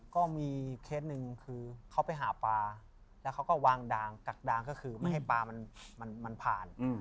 ก็มีเคสหนึ่งคือเขาไปหาปลาแล้วเขาก็วางดางกักดางก็คือไม่ให้ปลามันผ่าน